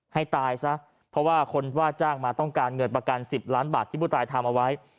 ให้ตายซะเพราะว่าคนว่าจ้างมาต้องการเงินประกัน๑๐ล้านบาทที่ผู้ตายทำเอาไว้